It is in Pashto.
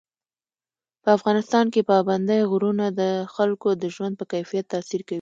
په افغانستان کې پابندی غرونه د خلکو د ژوند په کیفیت تاثیر کوي.